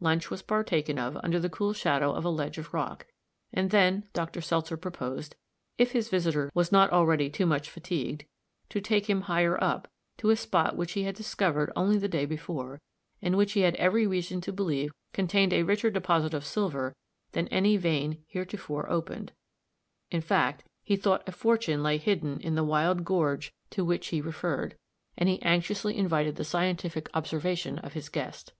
Lunch was partaken of under the cool shadow of a ledge of rock; and then Dr. Seltzer proposed, if his visitor was not already too much fatigued, to take him higher up, to a spot which he had discovered only the day before, and which he had every reason to believe contained a richer deposit of silver than any vein heretofore opened in fact, he thought a fortune lay hidden in the wild gorge to which he referred, and he anxiously invited the scientific observation of his guest.